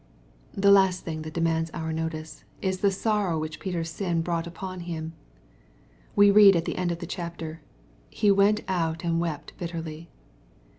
The last thing that demands our notice, is the sorrow which Peten^s sin brotight upon him. We read at the end of the chapter, " He went out and wept bitterly."